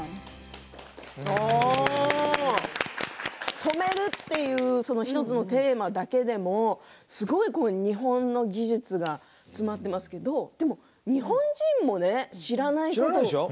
染めるという１つのテーマだけでもすごい日本の技術が詰まっていますけどでも、日本人も知らない。